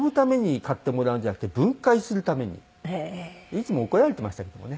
いつも怒られてましたけどもね。